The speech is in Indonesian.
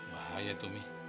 bahaya tuh mi